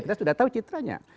kita sudah tahu citranya